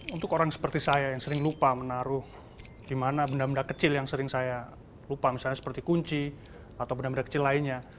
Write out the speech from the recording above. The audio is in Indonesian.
untuk orang seperti saya yang sering lupa menaruh di mana benda benda kecil yang sering saya lupa misalnya seperti kunci atau benda benda kecil lainnya